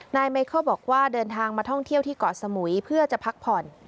นายไมเคิลบอกว่าเดินทางมาท่องเที่ยวที่เกาะสมุยเพื่อจะพักผ่อน